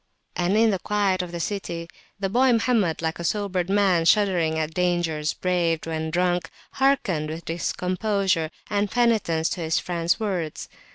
And in the quiet of the city the boy Mohammed, like a sobered man shuddering at dangers braved when drunk, hearkened with discomposure and penitence to his friend's words.